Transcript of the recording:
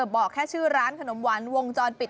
บอกแค่ชื่อร้านขนมหวานวงจรปิด